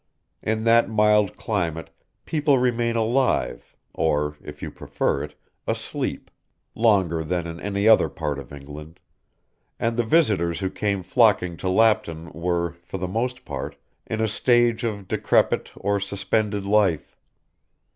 In that mild climate people remain alive, or, if you prefer it, asleep, longer than in any other part of England, and the visitors who came flocking to Lapton were, for the most part, in a stage of decrepit or suspended life.